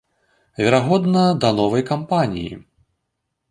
Верагодна, да новай кампаніі.